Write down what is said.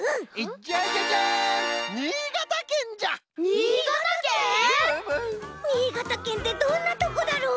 新潟県ってどんなとこだろう？